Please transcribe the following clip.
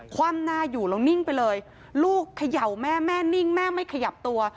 คว่ำหน้าอยู่แล้วนิ่งไปเลยลูกเขย่าแม่แม่นิ่งแม่ไม่ขยับตัว